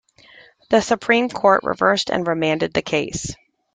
The Supreme Court reversed and remanded the case.